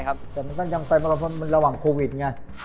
แต่มันก็ยังไปมาระหว่างโควิดไง